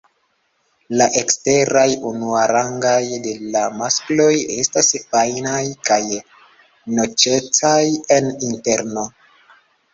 La eksteraj unuarangaj de la maskloj estas fajnaj kaj noĉecaj en interno.